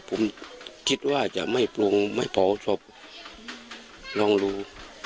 ผมคิดว่าจะไม่ปรุงไม่เผาศพลองรู้